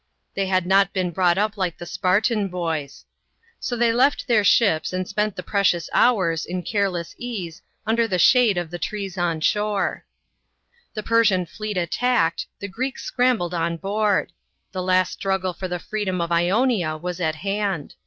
They had not been brought up HkQ the Spartan boys. 1 m So they left their ships and spent the precious .hours, in careless ease, under the shade of the trees on* shore. 1 See chapter 23. 88 DARI/US AT MARATHON. [B.C. 490. The Persian fleet attacked, the Greeks scramble' 1 on board; the last struggle for the freedom of Ionia was at hand.